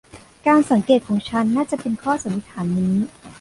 การสังเกตของฉันน่าจะเป็นข้อสันนิษฐานนี้